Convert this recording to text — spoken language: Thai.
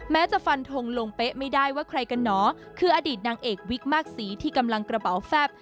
จะฟันทงลงเป๊ะไม่ได้ว่าใครกันหนอคืออดีตนางเอกวิกมากสีที่กำลังกระเป๋าแฟบ